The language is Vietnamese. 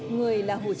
người là hồ chí minh